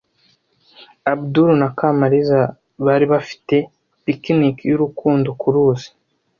Abudul na Kamariza bari bafite picnic y'urukundo ku ruzi.